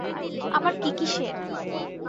আমার কী কীসের?